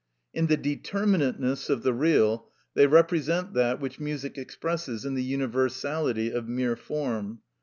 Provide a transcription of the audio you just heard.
In the determinateness of the real, they represent that which music expresses in the universality of mere form.